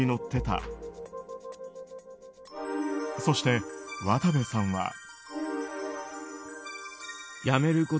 そして、渡部さんは。